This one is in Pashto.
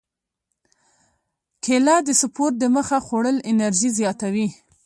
کېله د سپورت دمخه خوړل انرژي زیاتوي.